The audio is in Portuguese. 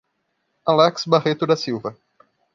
Alex Barreto da Silva